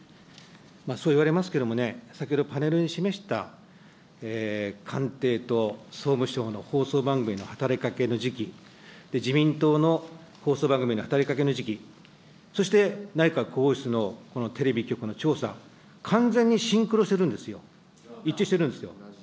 そう言われますけどもね、先ほどパネルに示した、官邸と総務省の放送番組への働きかけの時期、自民党の放送番組の働きかけの時期、そして内閣広報室のこのテレビ局の調査、完全にシンクロしてるんですよ、一致してるんですよ。